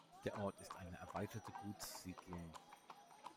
Der Ort ist eine erweiterte Gutssiedlung.